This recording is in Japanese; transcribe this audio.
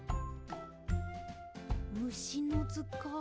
「むしのずかん」